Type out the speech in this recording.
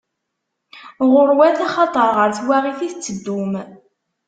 Ɣur-wat, axaṭer ɣer twaɣit i tetteddum!